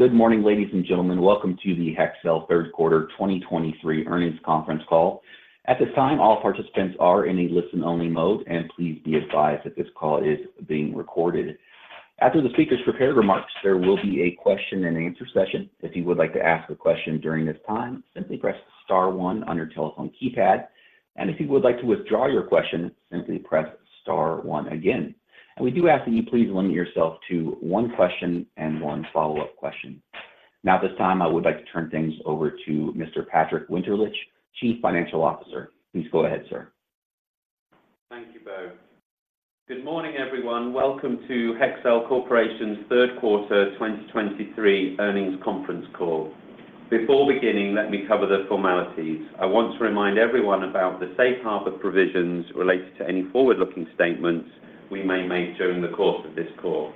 Good morning, ladies and gentlemen. Welcome to the Hexcel Third Quarter 2023 Earnings Conference Call. At this time, all participants are in a listen-only mode, and please be advised that this call is being recorded. After the speakers' prepared remarks, there will be a question-and-answer session. If you would like to ask a question during this time, simply press star one on your telephone keypad, and if you would like to withdraw your question, simply press star one again. We do ask that you please limit yourself to one question and one follow-up question. Now, at this time, I would like to turn things over to Mr. Patrick Winterlich, Chief Financial Officer. Please go ahead, sir. Thank you, [Beau]. Good morning, everyone. Welcome to Hexcel Corporation's Third Quarter 2023 Earnings Conference Call. Before beginning, let me cover the formalities. I want to remind everyone about the safe harbor provisions related to any forward-looking statements we may make during the course of this call.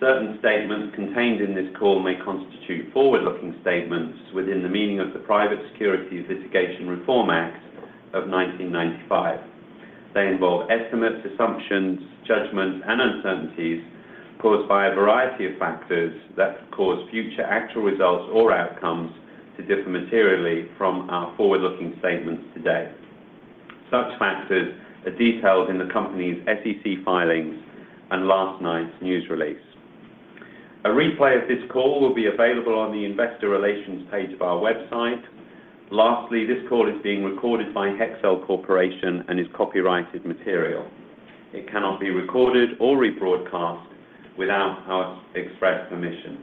Certain statements contained in this call may constitute forward-looking statements within the meaning of the Private Securities Litigation Reform Act of 1995. They involve estimates, assumptions, judgments, and uncertainties caused by a variety of factors that cause future actual results or outcomes to differ materially from our forward-looking statements today. Such factors are detailed in the company's SEC filings and last night's news release. A replay of this call will be available on the investor relations page of our website. Lastly, this call is being recorded by Hexcel Corporation and is copyrighted material. It cannot be recorded or rebroadcast without our express permission.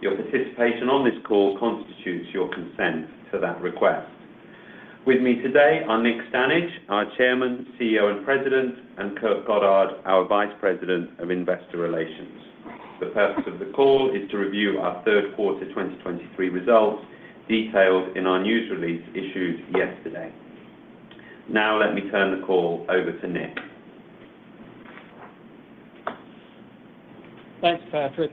Your participation on this call constitutes your consent to that request. With me today are Nick Stanage, our Chairman, CEO, and President, and Kurt Goddard, our Vice President of Investor Relations. The purpose of the call is to review our third quarter 2023 results, detailed in our news release issued yesterday. Now, let me turn the call over to Nick. Thanks, Patrick.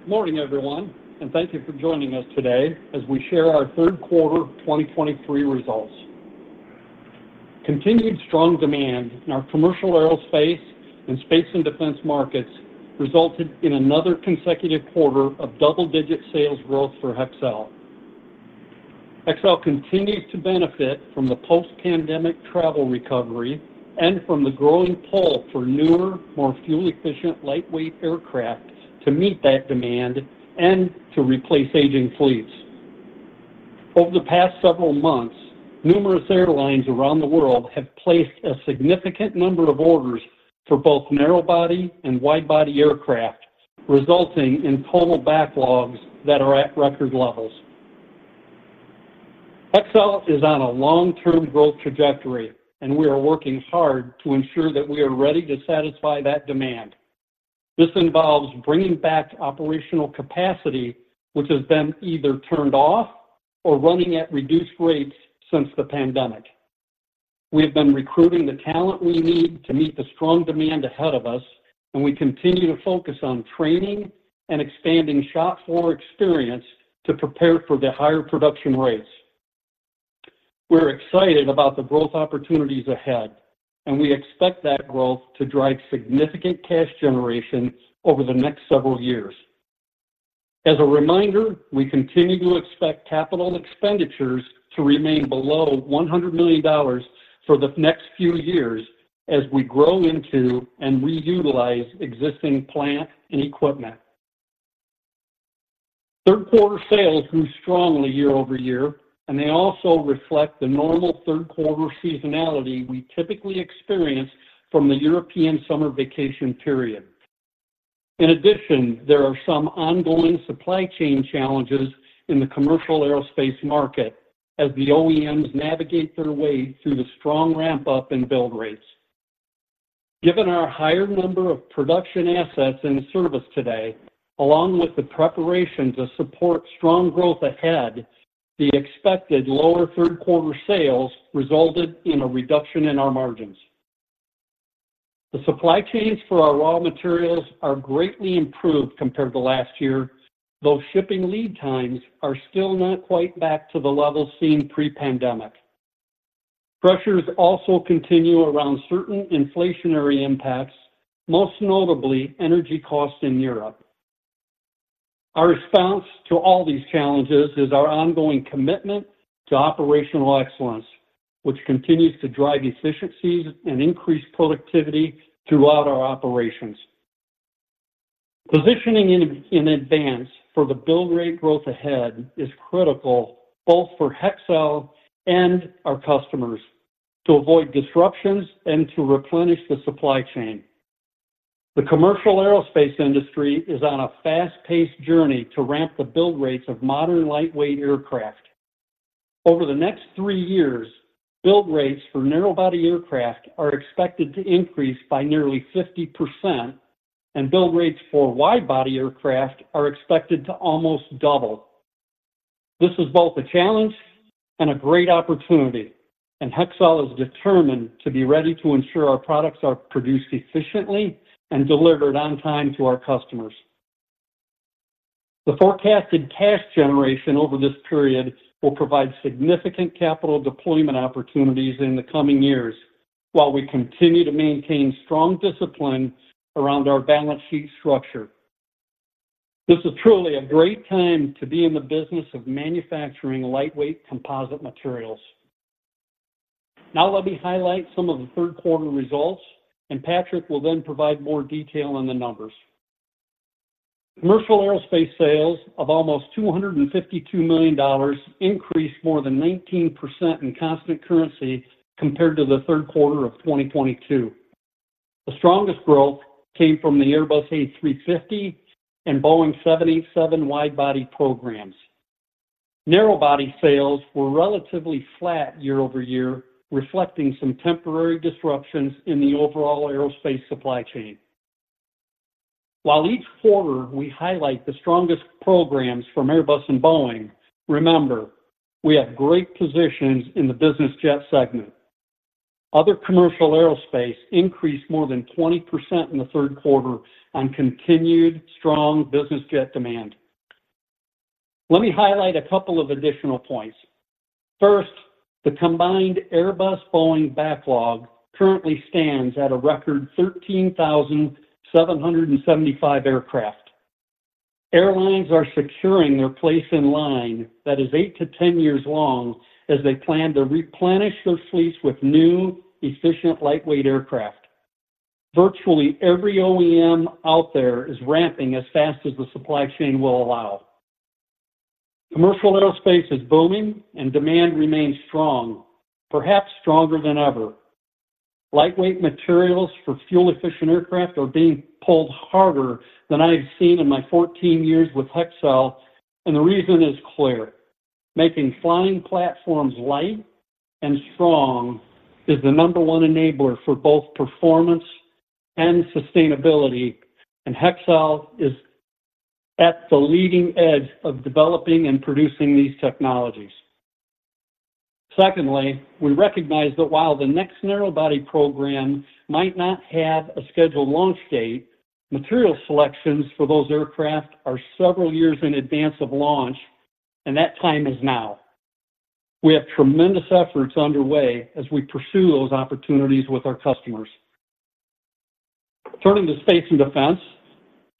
Good morning, everyone, and thank you for joining us today as we share our third quarter 2023 results. Continued strong demand in our Commercial Aerospace and Space and Defense markets resulted in another consecutive quarter of double-digit sales growth for Hexcel. Hexcel continues to benefit from the post-pandemic travel recovery and from the growing pull for newer, more fuel-efficient, lightweight aircraft to meet that demand and to replace aging fleets. Over the past several months, numerous airlines around the world have placed a significant number of orders for both narrow-body and wide-body aircraft, resulting in total backlogs that are at record levels. Hexcel is on a long-term growth trajectory, and we are working hard to ensure that we are ready to satisfy that demand. This involves bringing back operational capacity, which has been either turned off or running at reduced rates since the pandemic. We have been recruiting the talent we need to meet the strong demand ahead of us, and we continue to focus on training and expanding shop floor experience to prepare for the higher production rates. We're excited about the growth opportunities ahead, and we expect that growth to drive significant cash generation over the next several years. As a reminder, we continue to expect capital expenditures to remain below $100 million for the next few years as we grow into and reutilize existing plant and equipment. Third quarter sales grew strongly year-over-year, and they also reflect the normal third quarter seasonality we typically experience from the European summer vacation period. In addition, there are some ongoing supply chain challenges in the commercial aerospace market as the OEMs navigate their way through the strong ramp-up in build rates. Given our higher number of production assets in service today, along with the preparation to support strong growth ahead, the expected lower third quarter sales resulted in a reduction in our margins. The supply chains for our raw materials are greatly improved compared to last year, though shipping lead times are still not quite back to the levels seen pre-pandemic. Pressures also continue around certain inflationary impacts, most notably energy costs in Europe. Our response to all these challenges is our ongoing commitment to operational excellence, which continues to drive efficiencies and increase productivity throughout our operations. Positioning in advance for the build rate growth ahead is critical both for Hexcel and our customers to avoid disruptions and to replenish the supply chain. The commercial aerospace industry is on a fast-paced journey to ramp the build rates of modern, lightweight aircraft. Over the next three years, build rates for narrow-body aircraft are expected to increase by nearly 50%, and build rates for wide-body aircraft are expected to almost double. This is both a challenge and a great opportunity, and Hexcel is determined to be ready to ensure our products are produced efficiently and delivered on time to our customers. The forecasted cash generation over this period will provide significant capital deployment opportunities in the coming years, while we continue to maintain strong discipline around our balance sheet structure. This is truly a great time to be in the business of manufacturing lightweight composite materials. Now, let me highlight some of the third quarter results, and Patrick will then provide more detail on the numbers. Commercial aerospace sales of almost $252 million increased more than 19% in constant currency compared to the third quarter of 2022. The strongest growth came from the Airbus A350 and Boeing 787 wide-body programs. Narrow-body sales were relatively flat year-over-year, reflecting some temporary disruptions in the overall aerospace supply chain. While each quarter, we highlight the strongest programs from Airbus and Boeing, remember, we have great positions in the business-jet segment. Other commercial aerospace increased more than 20% in the third quarter on continued strong business-jet demand. Let me highlight a couple of additional points. First, the combined Airbus-Boeing backlog currently stands at a record 13,775 aircraft. Airlines are securing their place in line, that is 8-10 years long, as they plan to replenish their fleets with new, efficient, lightweight aircraft. Virtually every OEM out there is ramping as fast as the supply chain will allow. Commercial aerospace is booming, and demand remains strong, perhaps stronger than ever. Lightweight materials for fuel-efficient aircraft are being pulled harder than I've seen in my 14 years with Hexcel, and the reason is clear: making flying platforms light and strong is the number one enabler for both performance and sustainability, and Hexcel is at the leading edge of developing and producing these technologies. Secondly, we recognize that while the next narrow body program might not have a scheduled launch date, material selections for those aircraft are several years in advance of launch, and that time is now. We have tremendous efforts underway as we pursue those opportunities with our customers. Turning to Space and Defense,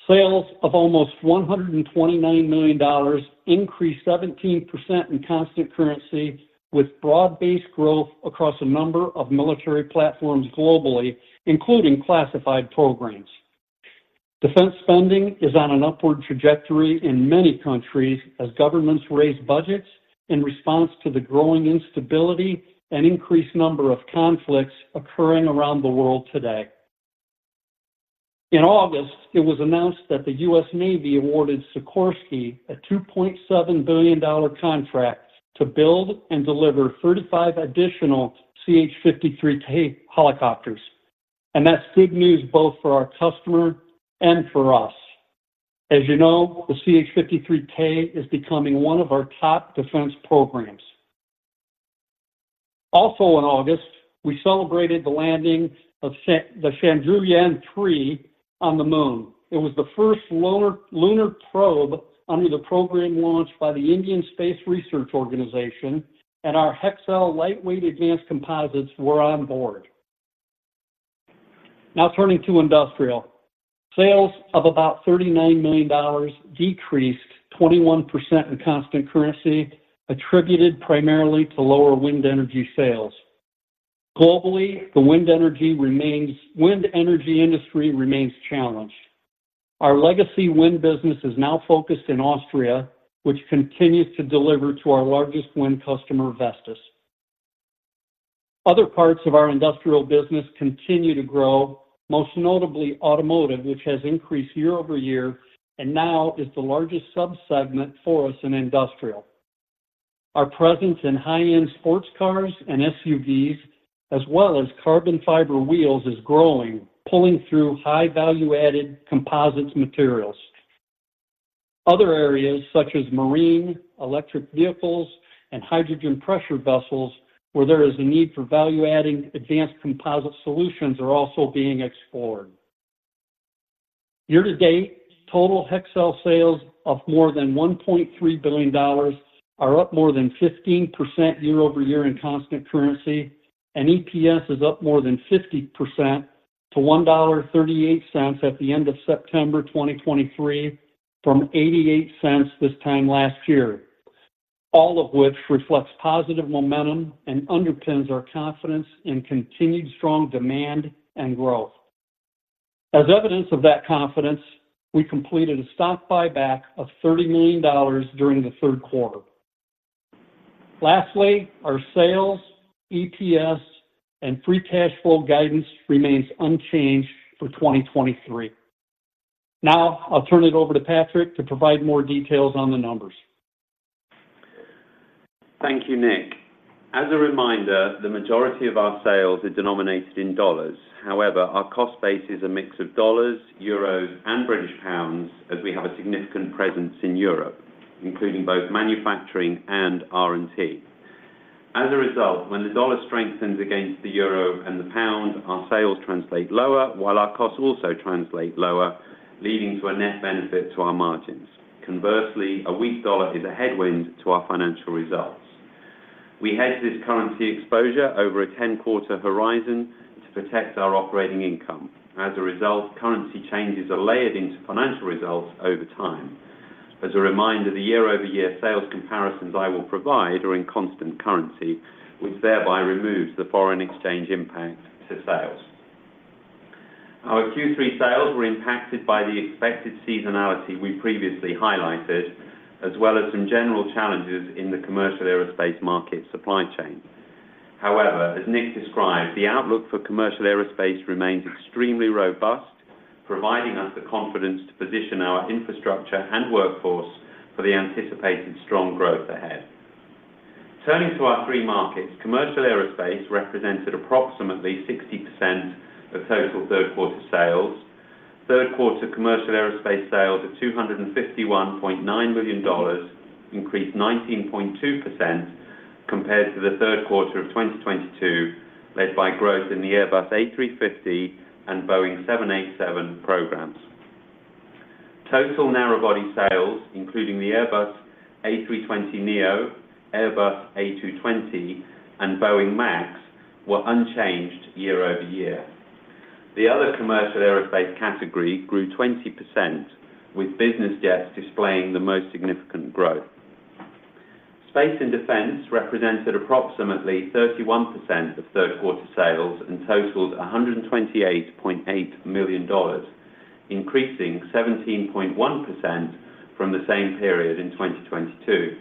sales of almost $129 million increased 17% in constant currency, with broad-based growth across a number of military platforms globally, including classified programs. Defense spending is on an upward trajectory in many countries as governments raise budgets in response to the growing instability and increased number of conflicts occurring around the world today. In August, it was announced that the U.S. Navy awarded Sikorsky a $2.7 billion contract to build and deliver 35 additional CH-53K helicopters, and that's good news both for our customer and for us. As you know, the CH-53K is becoming one of our top defense programs. Also in August, we celebrated the landing of the Chandrayaan-3 on the moon. It was the first lunar probe under the program launched by the Indian Space Research Organization, and our Hexcel lightweight advanced composites were on board. Now, turning to industrial. Sales of about $39 million decreased 21% in constant currency, attributed primarily to lower wind energy sales. Globally, the wind energy industry remains challenged. Our legacy wind business is now focused in Austria, which continues to deliver to our largest wind customer, Vestas. Other parts of our industrial business continue to grow, most notably automotive, which has increased year-over-year and now is the largest subsegment for us in industrial. Our presence in high-end sports cars and SUVs, as well as carbon fiber wheels, is growing, pulling through high-value-added composite materials. Other areas such as marine, electric vehicles, and hydrogen pressure vessels, where there is a need for value-adding, advanced composite solutions, are also being explored. Year to date, total Hexcel sales of more than $1.3 billion are up more than 15% year-over-year in constant currency, and EPS is up more than 50% to $1.38 at the end of September 2023, from $0.88 this time last year. All of which reflects positive momentum and underpins our confidence in continued strong demand and growth. As evidence of that confidence, we completed a stock buyback of $30 million during the third quarter. Lastly, our sales, EPS, and free cash flow guidance remains unchanged for 2023. Now, I'll turn it over to Patrick to provide more details on the numbers. Thank you, Nick. As a reminder, the majority of our sales are denominated in U.S. dollars. However, our cost base is a mix of U.S. dollars, euros, and British pounds, as we have a significant presence in Europe, including both manufacturing and R&D. As a result, when the U.S. dollar strengthens against the euro and the pound, our sales translate lower, while our costs also translate lower, leading to a net benefit to our margins. Conversely, a weak U.S. dollar is a headwind to our financial results. We hedge this currency exposure over a 10-quarter horizon to protect our operating income. As a result, currency changes are layered into financial results over time. As a reminder, the year-over-year sales comparisons I will provide are in constant currency, which thereby removes the foreign exchange impact to sales. Our Q3 sales were impacted by the expected seasonality we previously highlighted, as well as some general challenges in the commercial aerospace market supply chain. However, as Nick described, the outlook for commercial aerospace remains extremely robust, providing us the confidence to position our infrastructure and workforce for the anticipated strong growth ahead. Turning to our three markets, commercial aerospace represented approximately 60% of total third quarter sales. Third quarter Commercial Aerospace sales of $251.9 million increased 19.2% compared to the third quarter of 2022, led by growth in the Airbus A350 and Boeing 787 programs. Total narrow-body sales, including the Airbus A320neo, Airbus A220, and Boeing 737 MAX, were unchanged year-over-year. The other Commercial Aerospace category grew 20%, with business jets displaying the most significant growth. Space and Defense represented approximately 31% of third quarter sales and totaled $128.8 million, increasing 17.1% from the same period in 2022.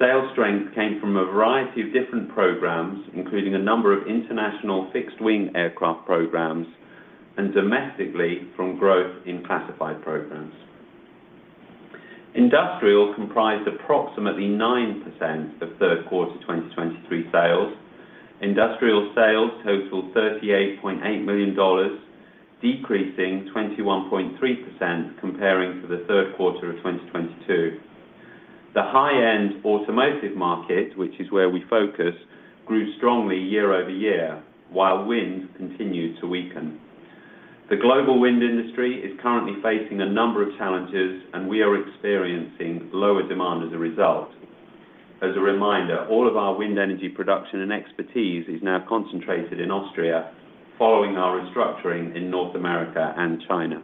Sales strength came from a variety of different programs, including a number of international fixed-wing aircraft programs, and domestically from growth in classified programs. Industrial comprised approximately 9% of third quarter 2023 sales. Industrial sales totaled $38.8 million, decreasing 21.3% comparing to the third quarter of 2022. The high-end automotive market, which is where we focus, grew strongly year-over-year, while wind continued to weaken. The global wind industry is currently facing a number of challenges, and we are experiencing lower demand as a result. As a reminder, all of our wind energy production and expertise is now concentrated in Austria, following our restructuring in North America and China.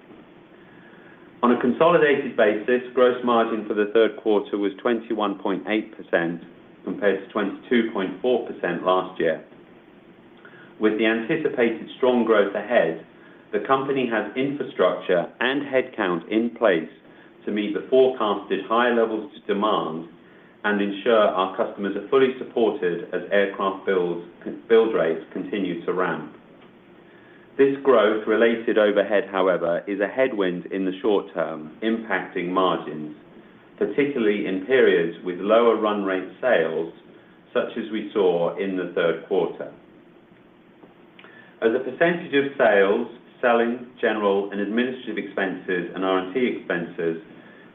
On a consolidated basis, gross margin for the third quarter was 21.8% compared to 22.4% last year. With the anticipated strong growth ahead, the company has infrastructure and headcount in place to meet the forecasted high levels to demand and ensure our customers are fully supported as aircraft builds, build rates continue to ramp. This growth-related overhead, however, is a headwind in the short term, impacting margins, particularly in periods with lower run rate sales, such as we saw in the third quarter. As a percentage of sales, selling, general and administrative expenses and R&T expenses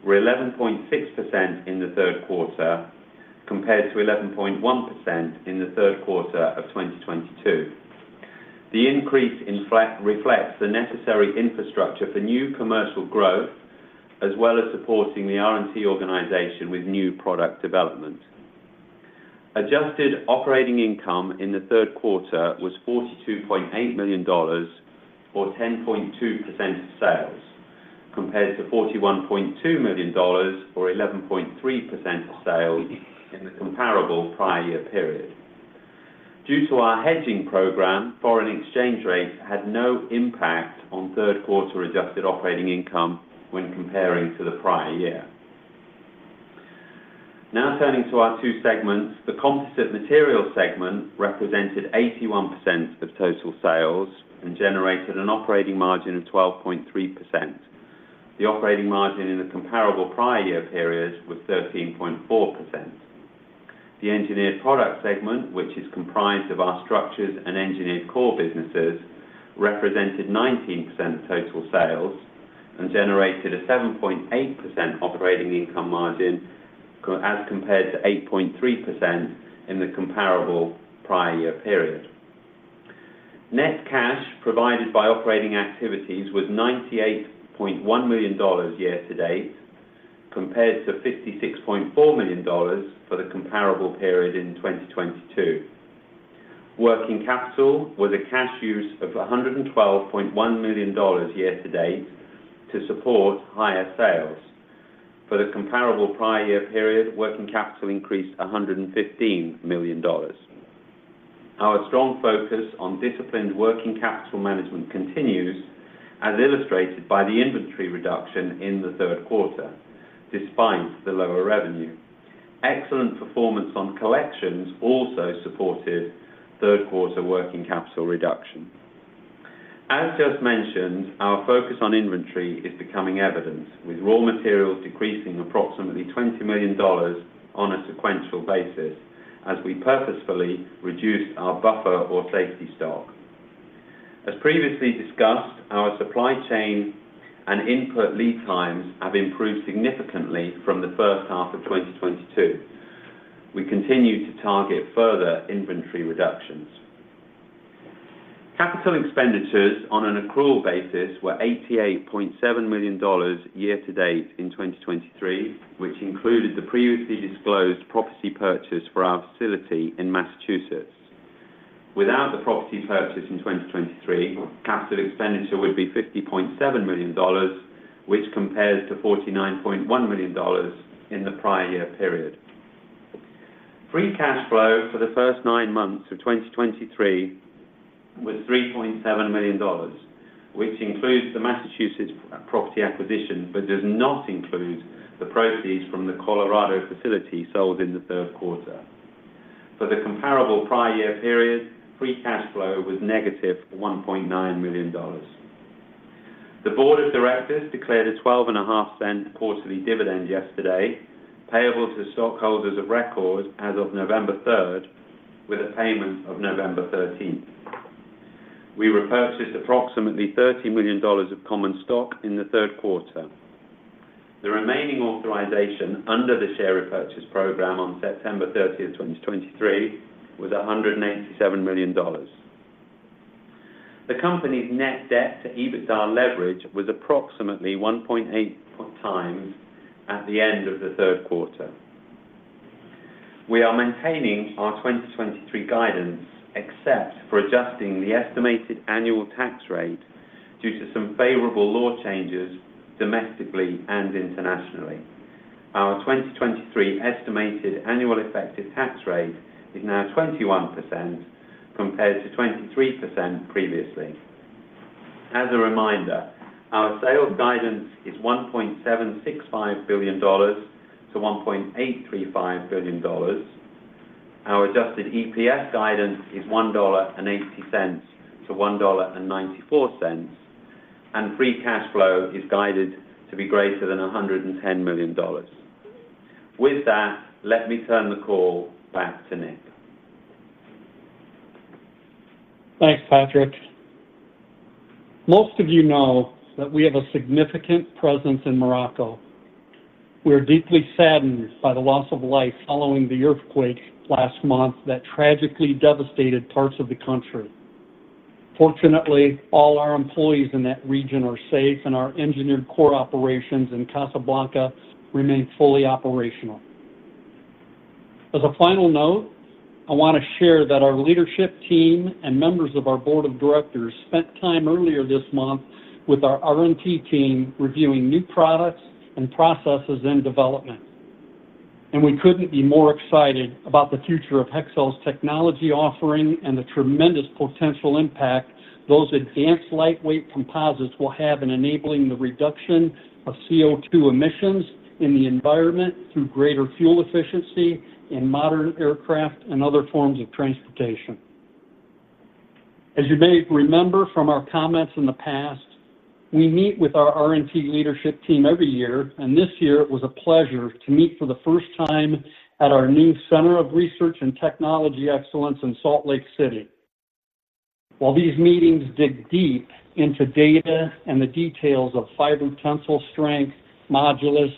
were 11.6% in the third quarter, compared to 11.1% in the third quarter of 2022. The increase reflects the necessary infrastructure for new commercial growth, as well as supporting the R&T organization with new product development. Adjusted Operating Income in the third quarter was $42.8 million, or 10.2% of sales, compared to $41.2 million, or 11.3% of sales in the comparable prior-year period. Due to our hedging program, foreign exchange rates had no impact on third quarter Adjusted Operating Income when comparing to the prior year. Now turning to our two segments. The Composite Materials segment represented 81% of total sales and generated an operating margin of 12.3%. The operating margin in the comparable prior-year periods was 13.4%. The Engineered Products segment, which is comprised of our Structures and Engineered Core businesses, represented 19% of total sales and generated a 7.8% operating income margin as compared to 8.3% in the comparable prior-year period. Net cash provided by operating activities was $98.1 million year-to-date, compared to $56.4 million for the comparable period in 2022. Working capital was a cash use of $112.1 million year to date to support higher sales. For the comparable prior year period, working capital increased $115 million. Our strong focus on disciplined working capital management continues, as illustrated by the inventory reduction in the third quarter, despite the lower revenue. Excellent performance on collections also supported third quarter working capital reduction. As just mentioned, our focus on inventory is becoming evident, with raw materials decreasing approximately $20 million on a sequential basis as we purposefully reduce our buffer or safety stock. As previously discussed, our supply chain and input lead times have improved significantly from the first half of 2022. We continue to target further inventory reductions. Capital expenditures on an accrual basis were $88.7 million year-to-date in 2023, which included the previously disclosed property purchase for our facility in Massachusetts. Without the property purchase in 2023, capital expenditure would be $50.7 million, which compares to $49.1 million in the prior year period. Free cash flow for the first nine months of 2023 was $3.7 million, which includes the Massachusetts property acquisition, but does not include the proceeds from the Colorado facility sold in the third quarter. For the comparable prior year period, free cash flow was negative $1.9 million. The board of directors declared a $0.125 quarterly dividend yesterday, payable to stockholders of record as of November 3rd, with a payment of November 13th. We repurchased approximately $13 million of common stock in the third quarter. The remaining authorization under the share repurchase program on September 30th, 2023, was $187 million. The company's net debt to EBITDA leverage was approximately 1.8x at the end of the third quarter. We are maintaining our 2023 guidance, except for adjusting the estimated annual tax rate due to some favorable law changes domestically and internationally. Our 2023 estimated annual effective tax rate is now 21%, compared to 23% previously. As a reminder, our sales guidance is $1.765 billion-$1.835 billion. Our adjusted EPS guidance is $1.80-$1.94, and free cash flow is guided to be greater than $110 million. With that, let me turn the call back to Nick. Thanks, Patrick. Most of you know that we have a significant presence in Morocco. We are deeply saddened by the loss of life following the earthquake last month that tragically devastated parts of the country. Fortunately, all our employees in that region are safe, and our engineered core operations in Casablanca remain fully operational. As a final note, I want to share that our leadership team and members of our board of directors spent time earlier this month with our R&T team, reviewing new products and processes in development. We couldn't be more excited about the future of Hexcel's technology offering and the tremendous potential impact those advanced lightweight composites will have in enabling the reduction of CO2 emissions in the environment through greater fuel efficiency in modern aircraft and other forms of transportation. As you may remember from our comments in the past, we meet with our R&T leadership team every year, and this year it was a pleasure to meet for the first time at our new Center of Research and Technology Excellence in Salt Lake City. While these meetings dig deep into data and the details of fiber tensile strength, modulus,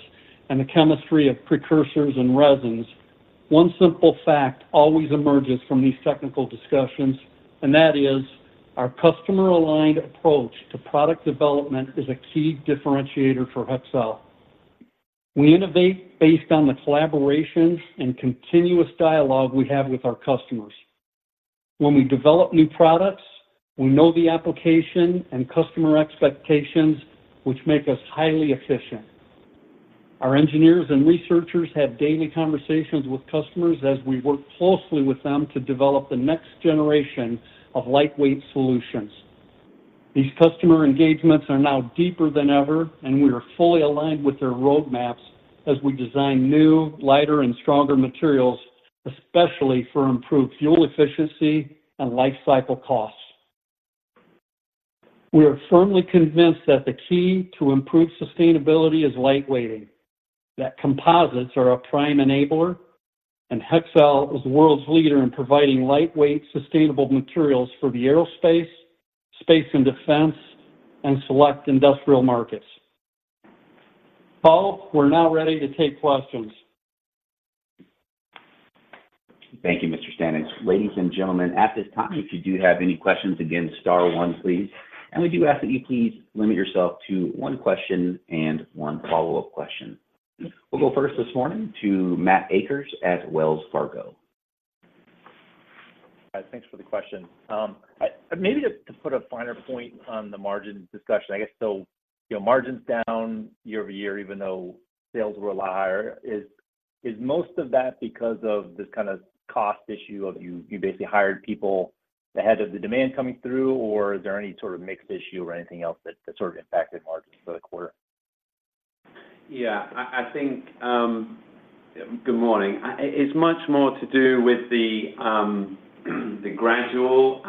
and the chemistry of precursors and resins, one simple fact always emerges from these technical discussions, and that is, our customer-aligned approach to product development is a key differentiator for Hexcel. We innovate based on the collaboration and continuous dialogue we have with our customers. When we develop new products, we know the application and customer expectations, which make us highly efficient. Our engineers and researchers have daily conversations with customers as we work closely with them to develop the next generation of lightweight solutions. These customer engagements are now deeper than ever, and we are fully aligned with their roadmaps as we design new, lighter, and stronger materials, especially for improved fuel efficiency and life cycle costs. We are firmly convinced that the key to improved sustainability is lightweighting, that composites are a prime enabler, and Hexcel is the world's leader in providing lightweight, sustainable materials for the Aerospace, Space and Defense, and select Industrial markets. Paul, we're now ready to take questions. Thank you, Mr. Stanage. Ladies and gentlemen, at this time, if you do have any questions, again, star one, please. We do ask that you please limit yourself to one question and one follow-up question. We'll go first this morning to Matt Akers at Wells Fargo. Thanks for the question. Maybe to put a finer point on the margin discussion, I guess, so, you know, margins down year-over-year, even though sales were a lot higher. Is most of that because of this kind of cost issue of you basically hired people ahead of the demand coming through, or is there any sort of mixed issue or anything else that sort of impacted margins for the quarter? Yeah, I think. Good morning. It's much more to do with the gradual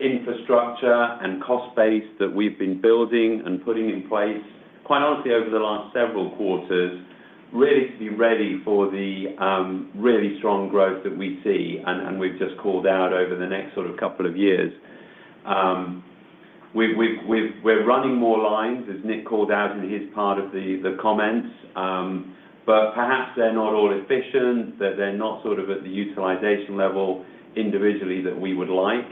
infrastructure and cost base that we've been building and putting in place, quite honestly, over the last several quarters, really, to be ready for the really strong growth that we see and we've just called out over the next sort of couple of years. We're running more lines, as Nick called out in his part of the comments. But perhaps they're not all efficient, that they're not sort of at the utilization level individually that we would like.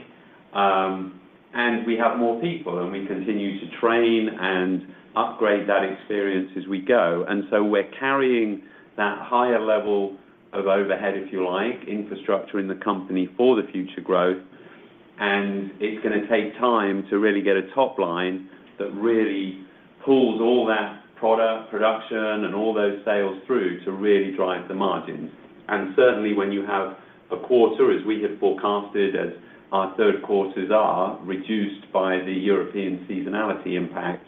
And we have more people, and we continue to train and upgrade that experience as we go. And so we're carrying that higher level of overhead, if you like, infrastructure in the company for the future growth, and it's gonna take time to really get a top line that really pulls all that product, production, and all those sales through to really drive the margins. And certainly, when you have a quarter, as we had forecasted, as our third quarters are reduced by the European seasonality impact,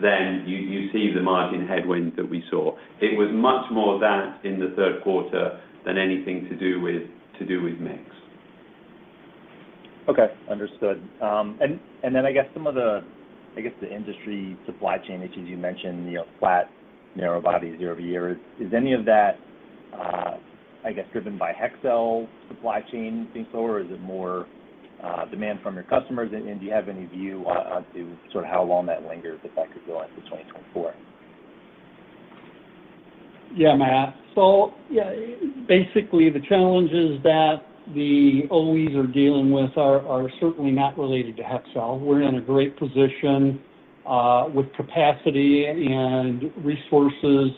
then you see the margin headwinds that we saw. It was much more that in the third quarter than anything to do with mix. Okay, understood. And then, I guess, some of the, I guess, the industry supply chain issues you mentioned, you know, flat, narrow bodies year-over-year. Is any of that, I guess, driven by Hexcel supply chain being slow, or is it more demand from your customers? And do you have any view on to sort of how long that lingers, that could go into 2024? Yeah, Matt. So, yeah, basically, the challenges that the OEs are dealing with are certainly not related to Hexcel. We're in a great position, with capacity and resources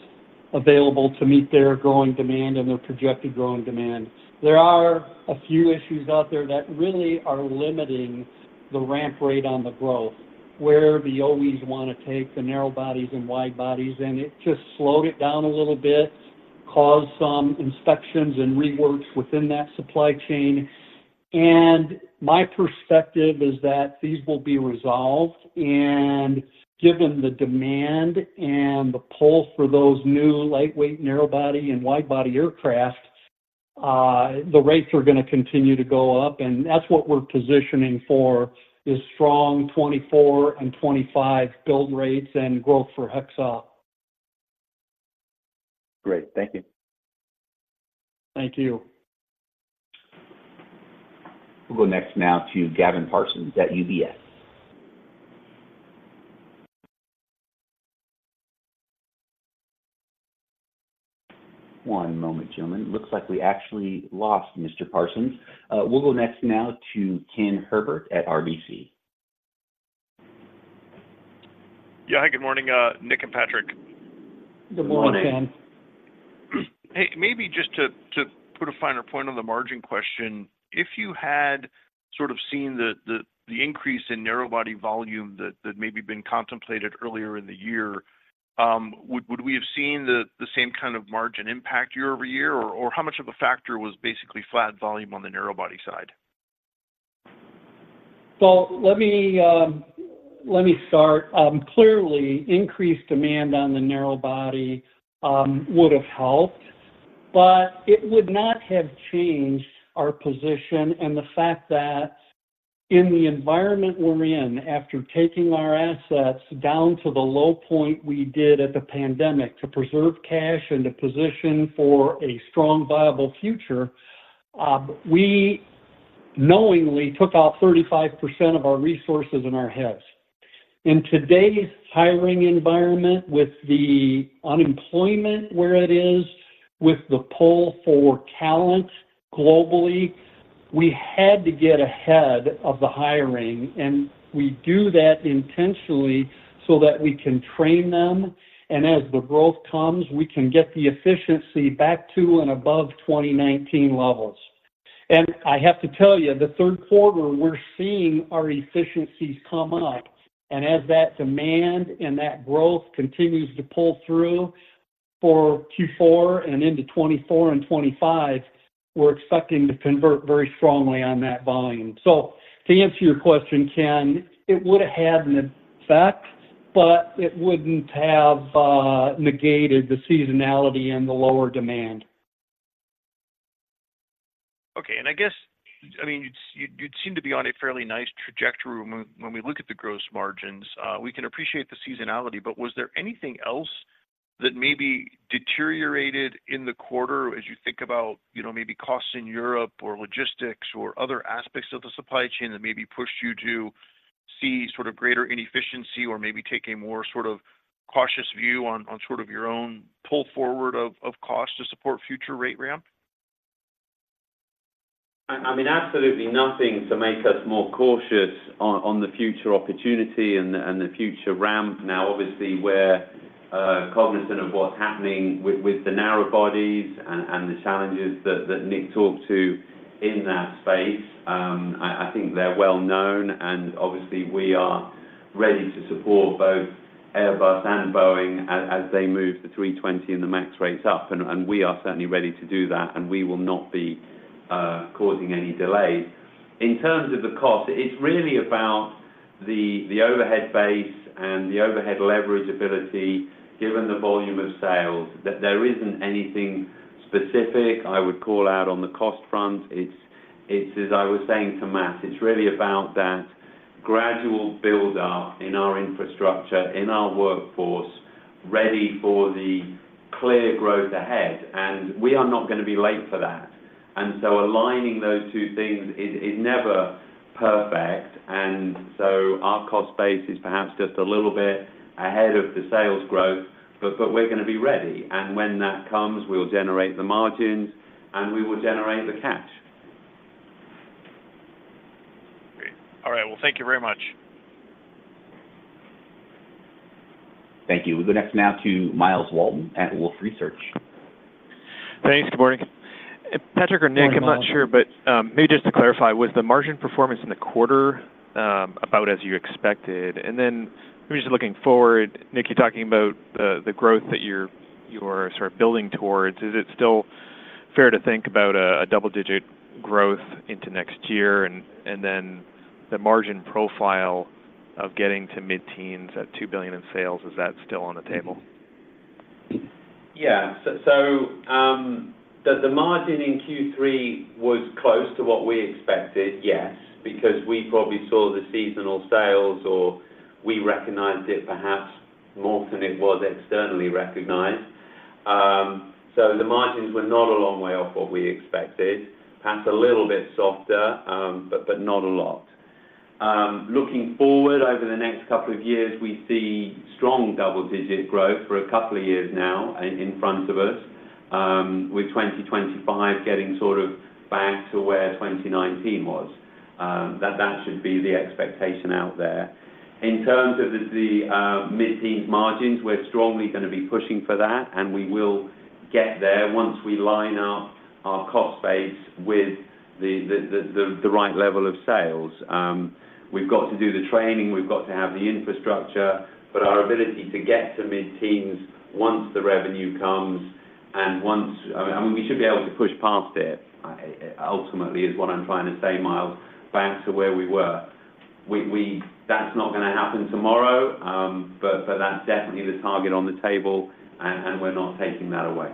available to meet their growing demand and their projected growing demand. There are a few issues out there that really are limiting the ramp rate on the growth, where the OEs want to take the narrow bodies and wide bodies, and it just slowed it down a little bit, caused some inspections and reworks within that supply chain. And my perspective is that these will be resolved, and given the demand and the pull for those new lightweight, narrow body, and wide-body aircraft, the rates are gonna continue to go up, and that's what we're positioning for, is strong 2024 and 2025 build rates and growth for Hexcel. Great. Thank you. Thank you. We'll go next now to Gavin Parsons at UBS. One moment, gentlemen. Looks like we actually lost Mr. Parsons. We'll go next now to Ken Herbert at RBC. Yeah. Hi, good morning, Nick and Patrick. Good morning. Good morning, Ken. Hey, maybe just to put a finer point on the margin question, if you had sort of seen the increase in narrow body volume that maybe been contemplated earlier in the year, would we have seen the same kind of margin impact year-over-year? Or how much of a factor was basically flat volume on the narrow body side? So let me, let me start. Clearly, increased demand on the narrow body would have helped, but it would not have changed our position and the fact that in the environment we're in, after taking our assets down to the low point we did at the pandemic, to preserve cash and to position for a strong, viable future, we knowingly took off 35% of our resources and our heads. In today's hiring environment, with the unemployment where it is, with the pull for talent globally, we had to get ahead of the hiring, and we do that intentionally so that we can train them, and as the growth comes, we can get the efficiency back to and above 2019 levels. I have to tell you, the third quarter, we're seeing our efficiencies come up, and as that demand and that growth continues to pull through for Q4 and into 2024 and 2025, we're expecting to convert very strongly on that volume. To answer your question, Ken, it would have had an effect, but it wouldn't have negated the seasonality and the lower demand. Okay, and I guess, I mean, you'd seem to be on a fairly nice trajectory when we look at the gross margins. We can appreciate the seasonality, but was there anything else that maybe deteriorated in the quarter as you think about, you know, maybe costs in Europe, or logistics, or other aspects of the supply chain that maybe pushed you to see sort of greater inefficiency or maybe take a more sort of cautious view on your own pull forward of cost to support future rate ramp? I mean, absolutely nothing to make us more cautious on the future opportunity and the future ramp. Now, obviously, we're cognizant of what's happening with the narrow bodies and the challenges that Nick talked to in that space. I think they're well known, and obviously, we are ready to support both Airbus and Boeing as they move the 320 and the MAX rates up, and we are certainly ready to do that, and we will not be causing any delays. In terms of the cost, it's really about the overhead base and the overhead leverage ability, given the volume of sales, that there isn't anything specific I would call out on the cost front. It's as I was saying to Matt, it's really about that gradual build-up in our infrastructure, in our workforce, ready for the clear growth ahead, and we are not going to be late for that. And so aligning those two things is never perfect, and so our cost base is perhaps just a little bit ahead of the sales growth, but we're going to be ready. And when that comes, we'll generate the margins, and we will generate the cash. Great. All right, well, thank you very much. Thank you. We go next now to Myles Walton at Wolfe Research. Thanks. Good morning. Patrick or Nick, I'm not sure, but maybe just to clarify, was the margin performance in the quarter about as you expected? And then just looking forward, Nick, you're talking about the growth that you're sort of building towards. Is it still fair to think about a double-digit growth into next year, and then the margin profile of getting to mid-teens at $2 billion in sales, is that still on the table? Yeah. So the margin in Q3 was close to what we expected, yes, because we probably saw the seasonal sales or we recognized it perhaps more than it was externally recognized. So the margins were not a long way off what we expected. Perhaps a little bit softer, but not a lot. Looking forward over the next couple of years, we see strong double-digit growth for a couple of years now in front of us, with 2025 getting sort of back to where 2019 was. That should be the expectation out there. In terms of the mid-teen margins, we're strongly going to be pushing for that, and we will get there once we line up our cost base with the right level of sales. We've got to do the training, we've got to have the infrastructure, but our ability to get to mid-teens once the revenue comes and once—I mean, we should be able to push past it, ultimately, is what I'm trying to say, Myles, back to where we were. That's not going to happen tomorrow, but that's definitely the target on the table, and we're not taking that away.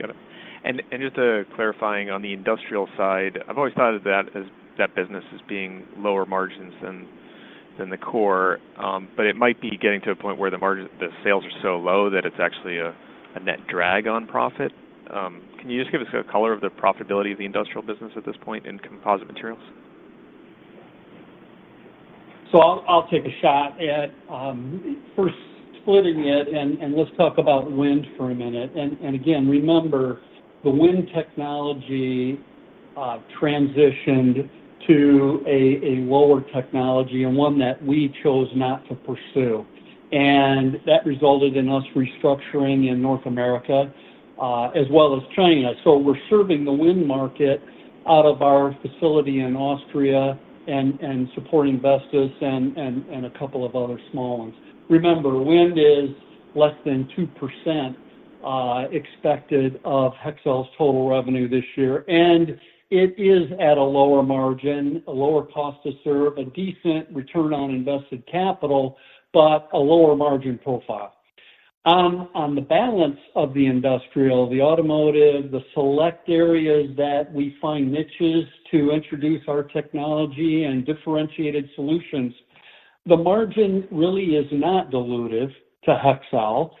Got it. And just clarifying on the industrial side, I've always thought of that as that business as being lower margins than the core, but it might be getting to a point where the margin, the sales are so low that it's actually a net drag on profit. Can you just give us a color of the profitability of the industrial business at this point in Composite Materials? So I'll take a shot at first splitting it and let's talk about wind for a minute. And again, remember, the wind technology transitioned to a lower technology and one that we chose not to pursue, and that resulted in us restructuring in North America as well as China. So we're serving the wind market out of our facility in Austria and supporting Vestas and a couple of other small ones. Remember, wind is less than 2% expected of Hexcel's total revenue this year, and it is at a lower margin, a lower cost to serve, a decent return on invested capital, but a lower margin profile. On the balance of the industrial, the automotive, the select areas that we find niches to introduce our technology and differentiated solutions, the margin really is not dilutive to Hexcel.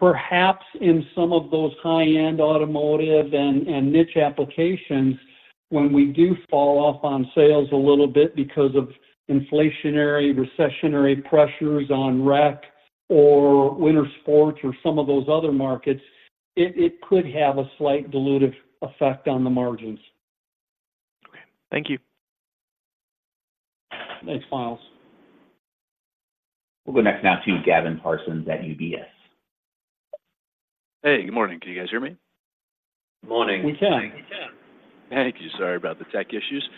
Perhaps in some of those high-end automotive and niche applications, when we do fall off on sales a little bit because of inflationary, recessionary pressures on rec or winter sports or some of those other markets, it could have a slight dilutive effect on the margins. Okay. Thank you. Thanks, Miles. We'll go next now to Gavin Parsons at UBS. Hey, good morning. Can you guys hear me? Good morning. We can. Thank you. Sorry about the tech issues.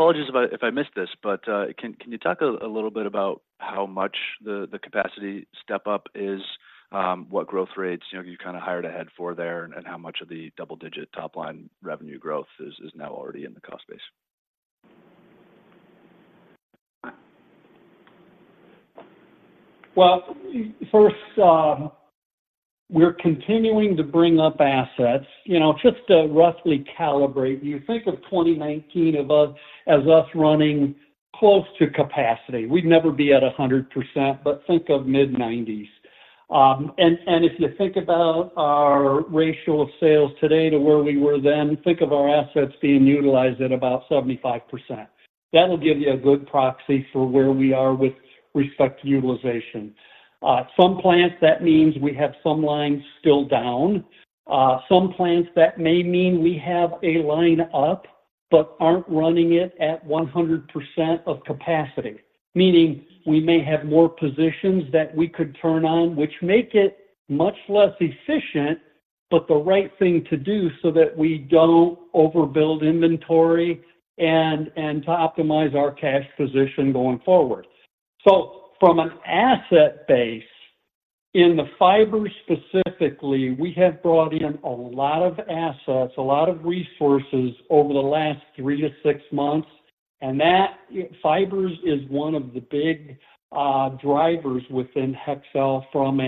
Apologies if I, if I missed this, but, can, can you talk a, a little bit about how much the, the capacity step up is, what growth rates, you know, you kinda hired ahead for there, and, and how much of the double-digit top-line revenue growth is, is now already in the cost base? Well, first, we're continuing to bring up assets. You know, just to roughly calibrate, you think of 2019 for us as us running close to capacity. We'd never be at 100%, but think of mid-90s. And if you think about our ratio of sales today to where we were then, think of our assets being utilized at about 75%. That'll give you a good proxy for where we are with respect to utilization. Some plants, that means we have some lines still down. Some plants, that may mean we have a line up but aren't running it at 100% of capacity, meaning we may have more positions that we could turn on, which make it much less efficient, but the right thing to do so that we don't overbuild inventory and to optimize our cash position going forward. So from an asset base, in the fiber specifically, we have brought in a lot of assets, a lot of resources over the last three to six months, and that fibers is one of the big drivers within Hexcel from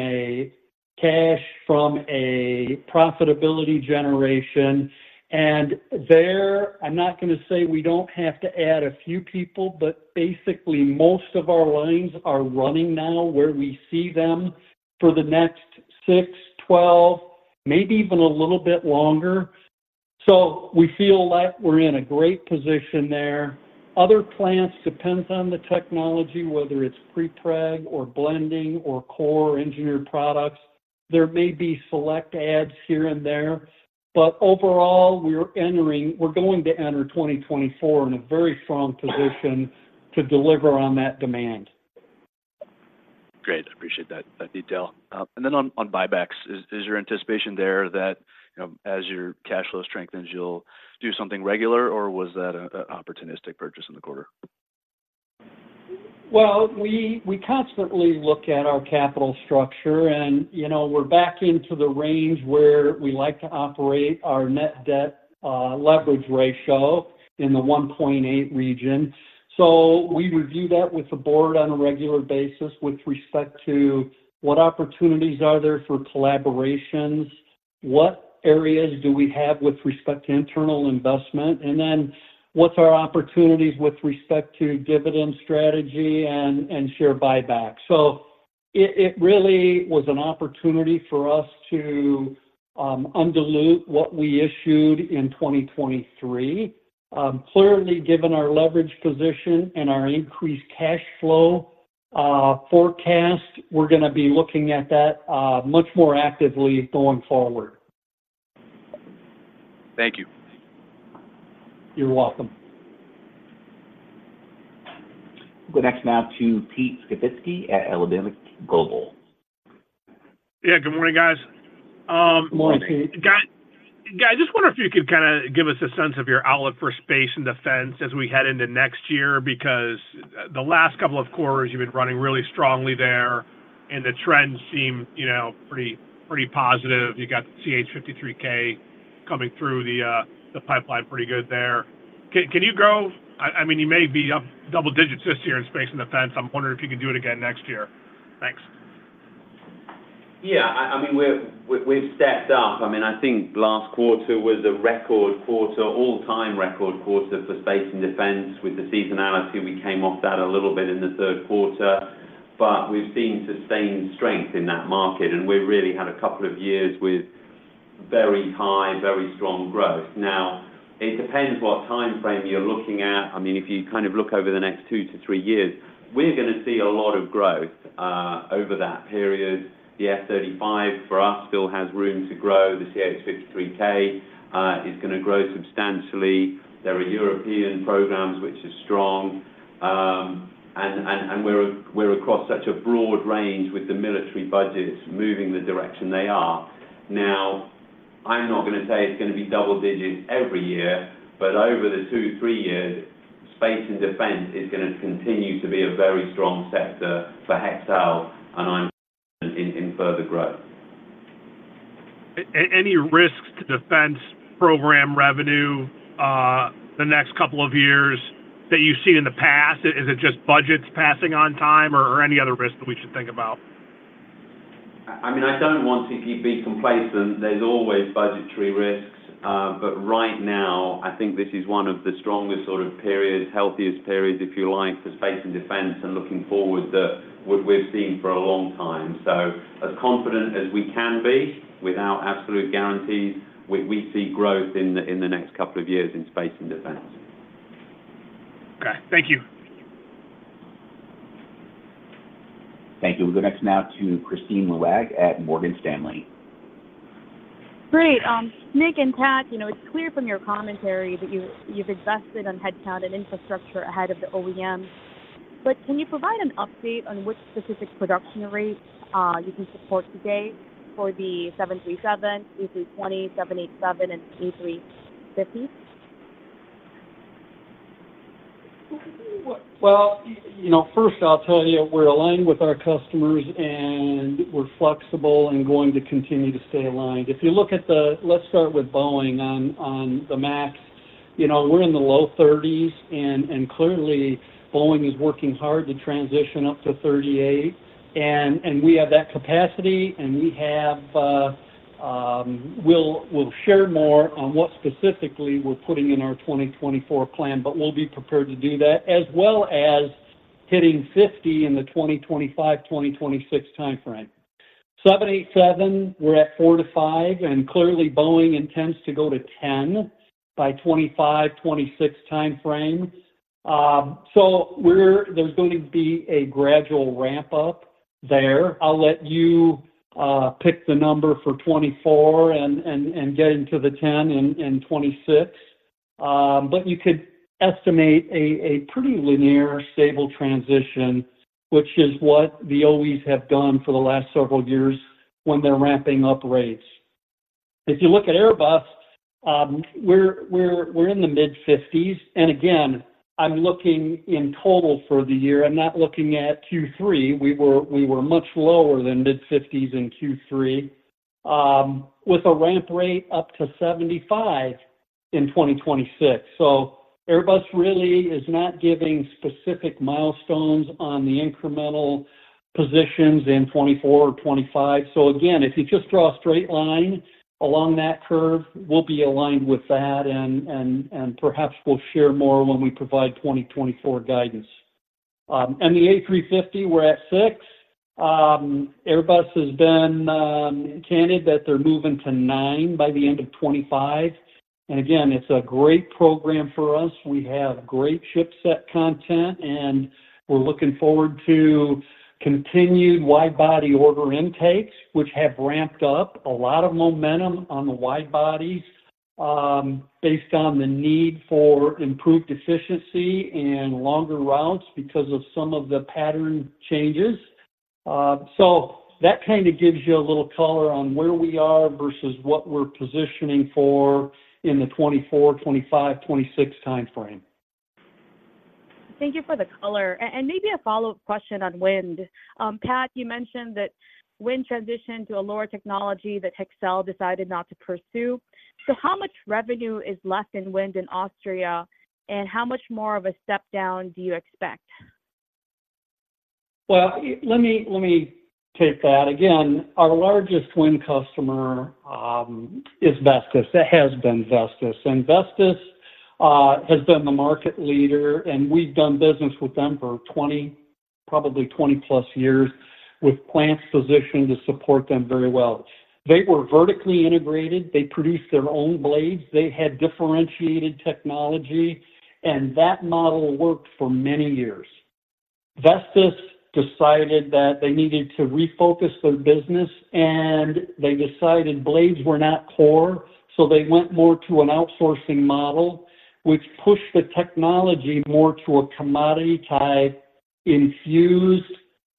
cash from a profitability generation. And there, I'm not going to say we don't have to add a few people, but basically, most of our lines are running now where we see them for the next six, 12, maybe even a little bit longer. So we feel like we're in a great position there. Other plants, depends on the technology, whether it's prepreg or blending or core engineered products. There may be select adds here and there, but overall, we are entering. We're going to enter 2024 in a very strong position to deliver on that demand. Great. I appreciate that detail. And then on buybacks, is your anticipation there that, you know, as your cash flow strengthens, you'll do something regular, or was that an opportunistic purchase in the quarter? Well, we constantly look at our capital structure, and, you know, we're back into the range where we like to operate our net debt leverage ratio in the 1.8 region. So we review that with the board on a regular basis with respect to what opportunities are there for collaborations? What areas do we have with respect to internal investment? And then, what's our opportunities with respect to dividend strategy and share buyback? So it really was an opportunity for us to undilute what we issued in 2023. Clearly, given our leverage position and our increased cash flow forecast, we're going to be looking at that much more actively going forward. Thank you. You're welcome. We'll go next now to Pete Skibitski at Alembic Global. Yeah, good morning, guys. Good morning, Pete. Guys, I just wonder if you could give us a sense of your outlook for Space and Defense as we head into next year, because the last couple of quarters, you've been running really strongly there, and the trends seem, you know, pretty, pretty positive. You got CH-53K coming through the pipeline pretty good there. Can you grow—I mean, you may be up double digits this year in Space and Defense. I'm wondering if you can do it again next year. Thanks. Yeah, I mean, we've stepped up. I mean, I think last quarter was a record quarter, all-time record quarter for Space and Defense. With the seasonality, we came off that a little bit in the third quarter, but we've seen sustained strength in that market, and we've really had a couple of years with very high, very strong growth. Now, it depends what time frame you're looking at. I mean, if you kind of look over the next two to three years, we're going to see a lot of growth over that period. The F-35, for us, still has room to grow. The CH-53K is going to grow substantially. There are European programs which are strong, and we're across such a broad range with the military budgets moving the direction they are. Now, I'm not going to say it's going to be double digits every year, but over the two, three years, Space and Defense is going to continue to be a very strong sector for Hexcel, and I'm in further growth. Any risks to Defense program revenue, the next couple of years that you've seen in the past? Is it just budgets passing on time or any other risk that we should think about? I mean, I don't want to be complacent. There's always budgetary risks, but right now, I think this is one of the strongest sort of periods, healthiest periods, if you like, for Space and Defense and looking forward to what we've seen for a long time. So as confident as we can be without absolute guarantees, we see growth in the next couple of years in Space and Defense. Okay. Thank you. Thank you. We'll go next now to Kristine Liwag at Morgan Stanley. Great. Nick and Pat, you know, it's clear from your commentary that you, you've invested on headcount and infrastructure ahead of the OEM, but can you provide an update on which specific production rates you can support today for the 737, 320, 787, and 350? Well, you know, first, I'll tell you, we're aligned with our customers, and we're flexible and going to continue to stay aligned. If you look at the. Let's start with Boeing on the 737 MAX. You know, we're in the low 30s, and clearly, Boeing is working hard to transition up to 38, and we have that capacity, and we have we'll share more on what specifically we're putting in our 2024 plan, but we'll be prepared to do that, as well as hitting 50 in the 2025-2026 time frame. 787, we're at 4-5, and clearly, Boeing intends to go to 10 by 2025-2026 time frame. So we're there's going to be a gradual ramp-up there. I'll let you pick the number for 2024 and getting to the 10 in 2026. But you could estimate a pretty linear, stable transition, which is what the OEs have done for the last several years when they're ramping up rates. If you look at Airbus, we're in the mid-50s, and again, I'm looking in total for the year. I'm not looking at Q3. We were much lower than mid-50s in Q3 with a ramp rate up to 75 in 2026. So Airbus really is not giving specific milestones on the incremental positions in 2024 or 2025. So again, if you just draw a straight line along that curve, we'll be aligned with that, and perhaps we'll share more when we provide 2024 guidance. And the A350, we're at 6. Airbus has been candid that they're moving to 9 by the end of 2025. And again, it's a great program for us. We have great ship-set content, and we're looking forward to continued wide-body order intakes, which have ramped up a lot of momentum on the wide-bodies, based on the need for improved efficiency and longer routes because of some of the pattern changes. So that kind of gives you a little color on where we are versus what we're positioning for in the 2024, 2025, 2026 time frame. Thank you for the color. And maybe a follow-up question on wind. Pat, you mentioned that wind transitioned to a lower technology that Hexcel decided not to pursue. So how much revenue is left in wind in Austria, and how much more of a step down do you expect? Well, let me, let me take that. Again, our largest wind customer is Vestas. It has been Vestas, and Vestas has been the market leader, and we've done business with them for 20, probably 20+ years, with plants positioned to support them very well. They were vertically integrated. They produced their own blades. They had differentiated technology, and that model worked for many years. Vestas decided that they needed to refocus their business, and they decided blades were not core, so they went more to an outsourcing model, which pushed the technology more to a commodity-type infused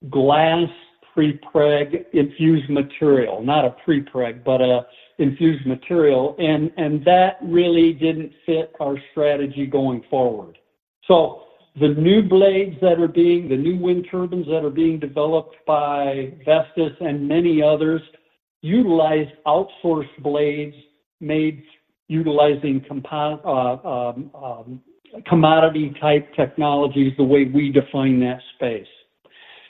glass, prepreg infused material, not a prepreg, but an infused material. And, and that really didn't fit our strategy going forward. So the new blades that are being the new wind turbines that are being developed by Vestas and many others, utilize outsourced blades made utilizing commodity-type technologies, the way we define that space.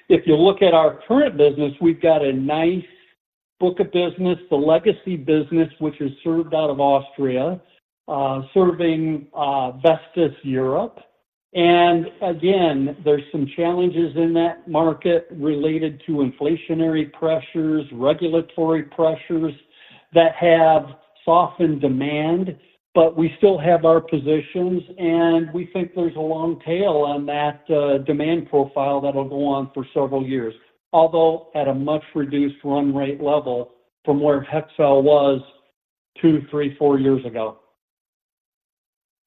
If you look at our current business, we've got a nice book of business, the legacy business, which is served out of Austria, serving Vestas Europe. And again, there's some challenges in that market related to inflationary pressures, regulatory pressures that have softened demand, but we still have our positions, and we think there's a long tail on that demand profile that'll go on for several years, although at a much reduced run rate level from where Hexcel was two, three, four years ago.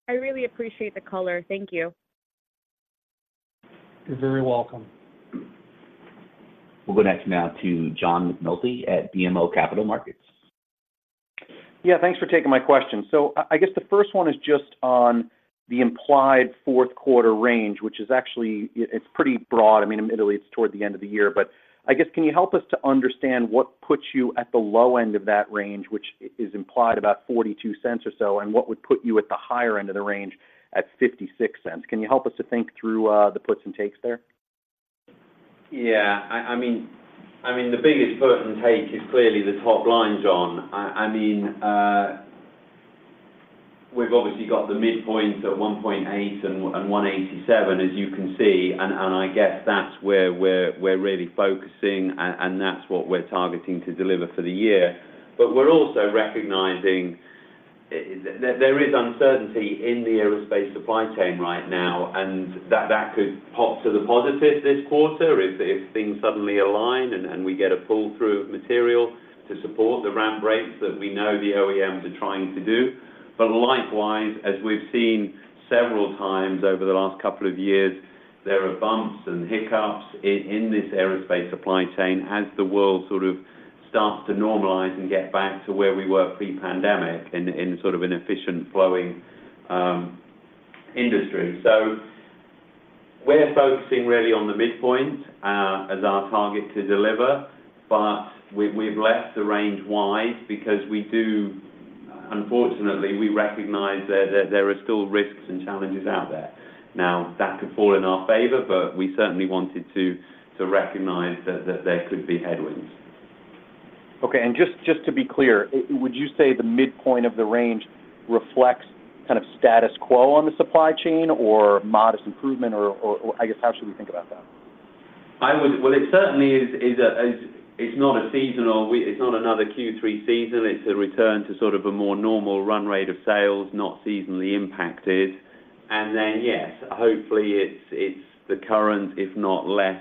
I really appreciate the color. Thank you. You're very welcome. We'll go next now to John McNulty at BMO Capital Markets. Yeah, thanks for taking my question. So I guess the first one is just on the implied fourth quarter range, which is actually, it's pretty broad. I mean, admittedly, it's toward the end of the year, but I guess, can you help us to understand what puts you at the low end of that range, which is implied about $0.42 or so, and what would put you at the higher end of the range at $0.56? Can you help us to think through the puts and takes there? Yeah, I mean, the biggest put and take is clearly the top line, John. I mean, we've obviously got the midpoint at $1.8 and $187, as you can see, and I guess that's where we're really focusing, and that's what we're targeting to deliver for the year. But we're also recognizing that there is uncertainty in the aerospace supply chain right now, and that that could pop to the positive this quarter if things suddenly align and we get a pull-through of material to support the ramp rates that we know the OEMs are trying to do. But likewise, as we've seen several times over the last couple of years, there are bumps and hiccups in this aerospace supply chain as the world sort of starts to normalize and get back to where we were pre-pandemic in sort of an efficient, flowing industry. So we're focusing really on the midpoint as our target to deliver, but we've left the range wide because, unfortunately, we recognize that there are still risks and challenges out there. Now, that could fall in our favor, but we certainly wanted to recognize that there could be headwinds. Okay, and just, just to be clear, would you say the midpoint of the range reflects kind of status quo on the supply chain or modest improvement? Or, or, I guess, how should we think about that? Well, it certainly is. It's not a seasonal. It's not another Q3 season. It's a return to sort of a more normal run rate of sales, not seasonally impacted. And then, yes, hopefully it's the current, if not less,